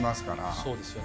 そうですよね。